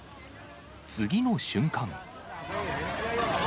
次の瞬間。